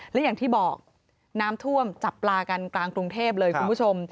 และอย่างที่บอกน้ำท่วมจับปลากันกลางกรุงเทพเลยคุณผู้ชม